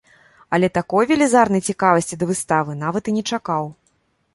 Але такой велізарнай цікавасці да выставы нават і не чакаў.